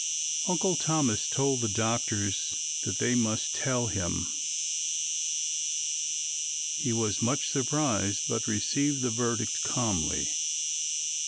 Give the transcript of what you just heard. Uncle Thomas told the doctors that they must tell him. He was much surprised but received the verdict calmly.